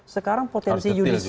sekarang potensi judicial review